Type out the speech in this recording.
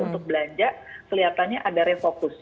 untuk belanja kelihatannya ada refocus